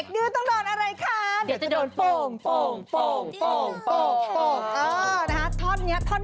เดี๋ยวจะโดนโป่ง